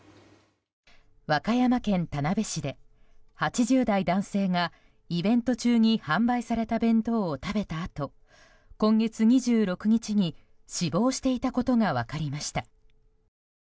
和歌山県田辺市で８０代男性がイベント中に販売された弁当を食べたあと今月２６日に死亡していたことが分かりました。